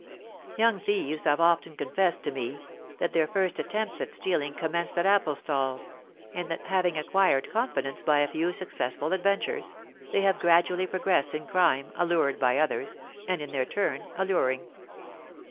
Young thieves have often confessed to me, that their first attempts at stealing commenced at apple stalls, and that having acquired confidence by a few successful adventures, they have gradually progressed in crime, allured by others, and in their turn alluring.